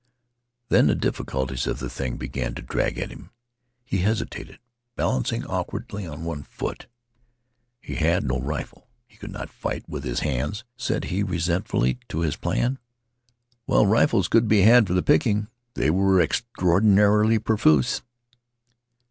Then the difficulties of the thing began to drag at him. He hesitated, balancing awkwardly on one foot. He had no rifle; he could not fight with his hands, said he resentfully to his plan. Well, rifles could be had for the picking. They were extraordinarily profuse.